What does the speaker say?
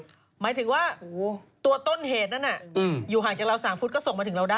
หมายถึงว่าตัวต้นเหตุนั้นอยู่ห่างจากเรา๓ฟุตก็ส่งมาถึงเราได้